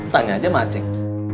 tanya aja sama acek